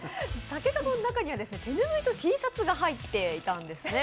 竹かごの中には、手ぬぐいとＴシャツが入っていたんですね。